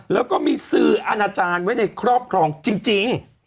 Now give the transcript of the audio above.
แล้วก็มีสื่ออาณาจารย์ไว้ในครอบครองจริง